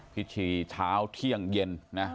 พิธีเช้าเที่ยงเย็นนะ